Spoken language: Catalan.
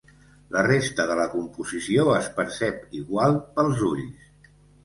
La resta de la composició es percep igual pels ulls.